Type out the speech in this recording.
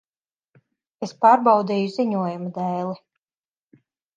Es pārbaudīju ziņojumu dēli.